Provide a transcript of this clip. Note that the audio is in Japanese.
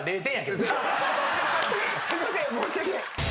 すいません申し訳ない。